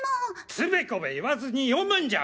つべこべ言わずに読むんじゃ！